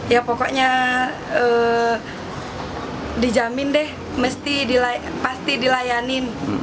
ya pokoknya dijamin deh mesti dilayanin